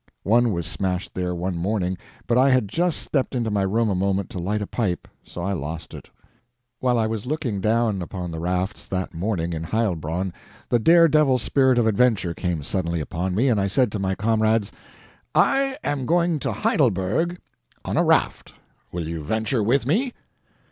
One was smashed there one morning, but I had just stepped into my room a moment to light a pipe, so I lost it. While I was looking down upon the rafts that morning in Heilbronn, the daredevil spirit of adventure came suddenly upon me, and I said to my comrades: "I am going to Heidelberg on a raft. Will you venture with me?"